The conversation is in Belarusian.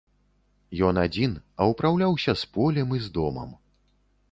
Ён адзін, а ўпраўляўся з полем і з домам.